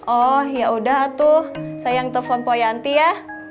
oh ya udah atuh saya yang telfon poyanti ya